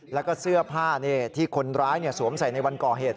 แล้วก็เสื้อผ้าที่คนร้ายสวมใส่ในวันก่อเหตุ